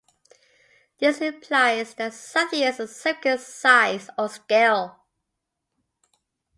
This implies that something is of a significant size or scale.